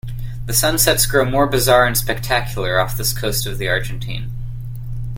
The sunsets grow more bizarre and spectacular off this coast of the Argentine.